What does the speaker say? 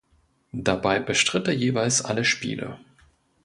Dabei bestritt er jeweils alle Spiele.